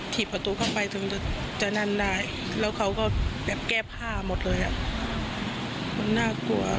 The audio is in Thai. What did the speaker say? ถีบประตูเข้าไปถึงจะนั่นได้แล้วเขาก็แบบแก้ผ้าหมดเลยอ่ะมันน่ากลัว